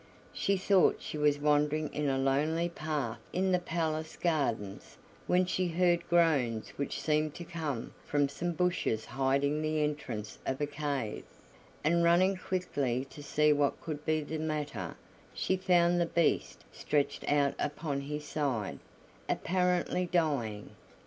She thought she was wandering in a lonely path in the palace gardens, when she heard groans which seemed to come from some bushes hiding the entrance of a cave, and running quickly to see what could be the matter, she found the Beast stretched out upon his side, apparently dying.